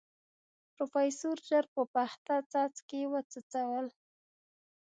پروفيسر ژر په پخته څاڅکي وڅڅول.